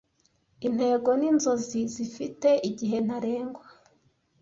Intego ninzozi zifite igihe ntarengwa.